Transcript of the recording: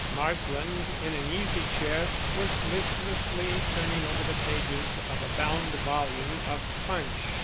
Marsland in an easy chair was listlessly turning over the pages of a bound volume of Punch.